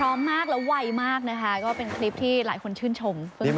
มากแล้วไวมากนะคะก็เป็นคลิปที่หลายคนชื่นชม